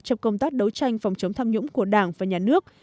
trong công tác đấu tranh phòng chống tham nhũng của đảng và nhà nước